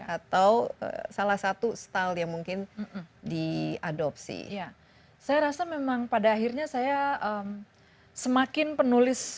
atau salah satu style yang mungkin diadopsi saya rasa memang pada akhirnya saya semakin penulis